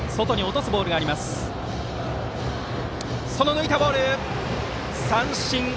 抜いたボールで三振！